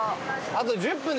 あと１０分？